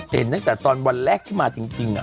เห็นนักจากตอนวันแรกที่มาจริง